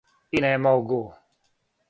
И не могу!